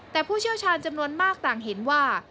แต่ผู้เชี่ยวชาญจำนวนมากต่างเห็นว่า